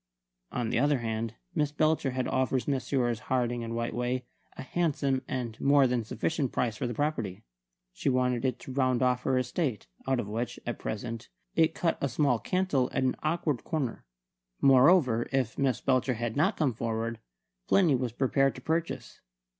On the other hand, Miss Belcher had offered Messrs. Harding and Whiteway a handsome and more than sufficient price for the property. She wanted it to round off her estate, out of which, at present, it cut a small cantle and at an awkward corner. Moreover, if Miss Belcher had not come forward, Plinny was prepared to purchase.